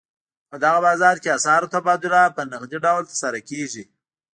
په دغه بازار کې اسعارو تبادله په نغدي ډول ترسره کېږي.